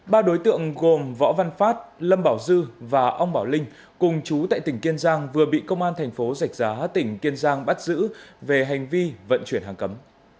ba đối tượng gồm võ văn phát lâm bảo dư và ông bảo linh cùng chú tại tỉnh kiên giang vừa bị công an thành phố giạch giá tỉnh kiên giang bắt giữ về hành vi vận chuyển hàng cấm